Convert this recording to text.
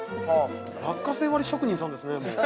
◆落花生割り職人さんですね。